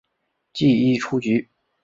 记一出局。